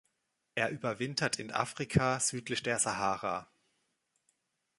Er überwintert in Afrika südlich der Sahara.